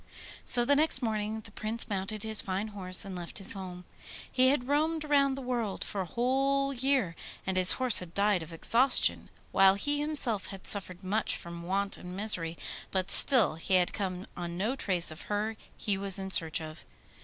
So the next morning the Prince mounted his fine horse and left his home. He had roamed round the world for a whole year, and his horse had died of exhaustion, while he himself had suffered much from want and misery, but still he had come on no trace of her he was in search of.